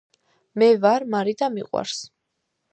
მე ვარ მარი და მიყვარს